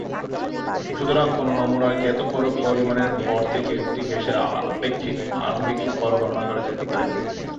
সুতরাং, কোনো নমুনার জ্ঞাত পরিমাণের ভর থেকে একটি গ্যাসের আপেক্ষিক আণবিক ভর গণনা করা যেতে পারে।